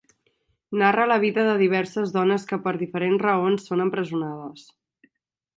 Narra la vida de diverses dones que per diferents raons són empresonades.